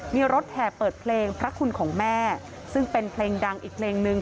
มีรถแห่เปิดเพลงพระคุณของแม่ซึ่งเป็นเพลงดังอีกเพลงนึง